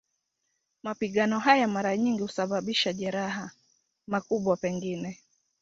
Mapigano hayo mara nyingi husababisha majeraha, makubwa pengine.